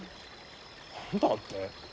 何だって？